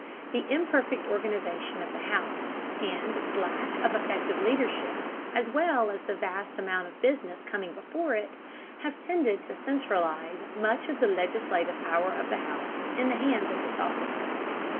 The imperfect organization of the House, and its lack of effective leadership, as well as the vast amount of business coming before it, have tended to centralize much of the legislative power of the House in the hands of this officer.